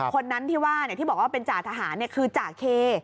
คนนั้นที่ว่าที่บอกว่าเป็นจ่าทหารคือจ่าเค